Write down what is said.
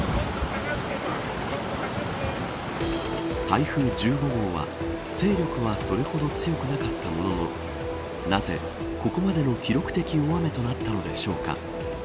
台風１５号は勢力はそれほど強くなかったもののなぜ、ここまでの記録的大雨となったのでしょうか。